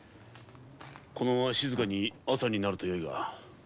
このまま静かに朝になるとよいが。